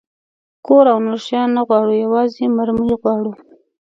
کور او نور شیان نه غواړو، یوازې مرمۍ غواړو.